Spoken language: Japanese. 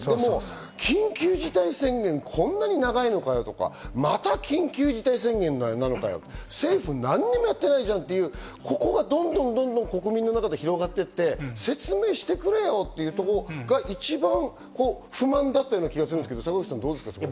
緊急事態宣言こんなに長いのかよとか、また緊急事態宣言なのかよ、政府、何もやってないじゃんっていう、ここがどんどん国民の中で広がっていって、説明してくれよっていうところが一番不満だった気がするんですけど、坂口さんどうですか？